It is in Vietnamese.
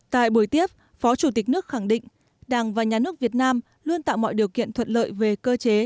tại buổi tiếp phó chủ tịch nước khẳng định đảng và nhà nước việt nam luôn tạo mọi điều kiện thuận lợi về cơ chế